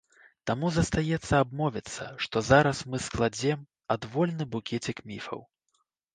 Таму застаецца абмовіцца, што зараз мы складзем адвольны букецік міфаў.